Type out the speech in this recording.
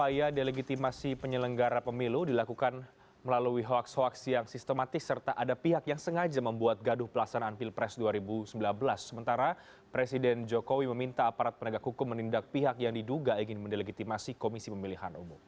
jelang penyelenggaraan pemilu pada api kukuh